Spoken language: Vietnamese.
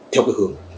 theo cái hướng